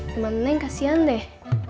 temen neng kasian deh